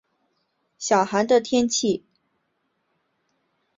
小寒的天气谚语等等。